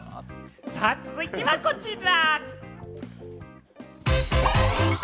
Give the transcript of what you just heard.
続いてはこちら。